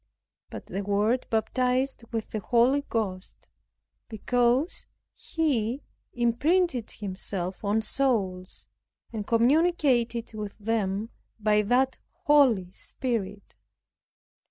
But the Word baptized with the Holy Ghost, because He imprinted Himself on souls, and communicated with them by that Holy Spirit.